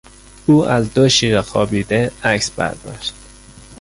او از دو شیر خوابیده عکس برداشت.